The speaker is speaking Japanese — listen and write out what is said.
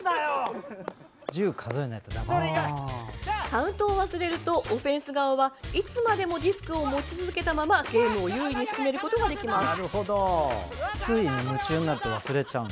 カウントを忘れるとオフェンス側はいつまでもディスクを持ち続けたままゲームを優位に進めることができます。